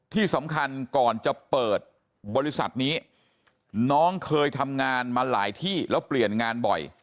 ที่สำคัญก่อนจะเปิดบริษัทนี้น้องเคยทำงานมาหลายที่แล้วเปลี่ยนงานบ่อย